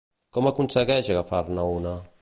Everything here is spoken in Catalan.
Com aconsegueix agafar-ne una?